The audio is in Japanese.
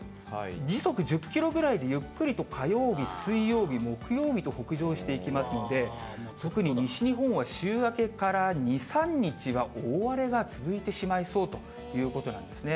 時速１０キロぐらいでゆっくりと火曜日、水曜日、木曜日と北上していきますので、特に西日本は週明けから２、３日は大荒れが続いてしまいそうということなんですね。